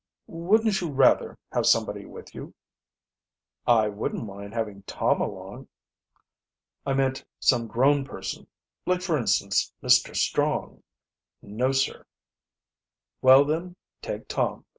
"Wouldn't you rather have somebody with you?" "I wouldn't mind having Tom along." "I meant some grown person like, for instance, Mr. Strong." "No, sir." "Well, then, take Tom.